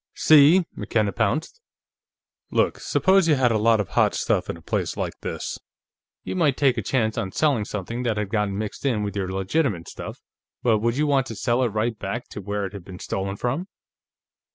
"See!" McKenna pounced. "Look; suppose you had a lot of hot stuff, in a place like this. You might take a chance on selling something that had gotten mixed in with your legitimate stuff, but would you want to sell it right back to where it had been stolen from?"